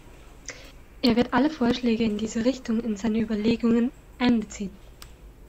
Er wird alle Vorschläge in diese Richtung in seine Überlegungen einbeziehen.